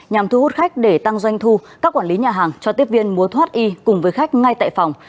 nhằm thu hút khách để tăng doanh thu các quản lý nhà hàng cho tiếp viên mua thoát y cùng với khách ngay tại phòng